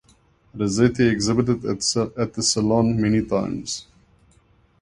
Rasetti exhibited at the Salon many times.